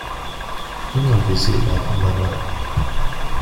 donne un baiser à mamam.